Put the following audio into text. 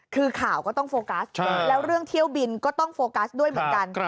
คือข่าวก็ต้องโฟกัสแล้วเรื่องเที่ยวบินก็ต้องโฟกัสด้วยเหมือนกัน